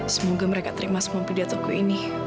semoga mereka terima semua pilihan toko ini